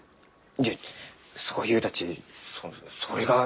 いやそうゆうたちそれがえい